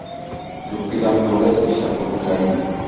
দুঃখিত, আমি তোমাদের ডিস্টার্ব করতে চাইনি।